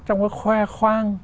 trong cái khoe khoang